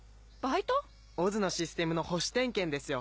ＯＺのシステムの保守点検ですよ。